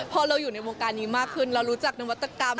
พอเราอยู่ในวงการนี้มากขึ้นเรารู้จักนวัตกรรม